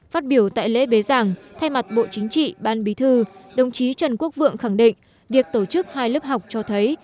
phát biểu tại lễ bế giảng thay mặt bộ chính trị ban bí thư đồng chí trần quốc vượng khẳng định việc tổ chức hai lớp học cho thấy